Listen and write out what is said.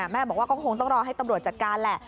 แม่บอกว่าก็คงต้องรอให้ตำรวจจัดการแหละ